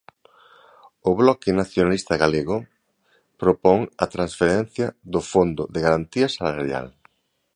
O Bloque Nacionalista Galego propón a transferencia do Fondo de Garantía Salarial.